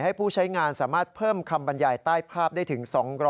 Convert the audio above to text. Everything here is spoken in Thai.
ให้ผู้ใช้งานสามารถเพิ่มคำบรรยายใต้ภาพได้ถึง๒๐๐